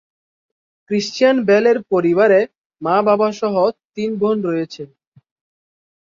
Christian বেলের পরিবারে মা-বাবাসহ তিন বোন রয়েছে।